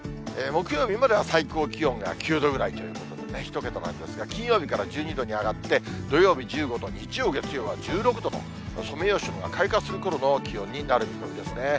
木曜日までは最高気温が９度ぐらいということでね、１桁なんですが、金曜日から１２度に上がって、土曜日１５度、日曜、月曜は１６度と、ソメイヨシノが開花するころの気温になる見込みですね。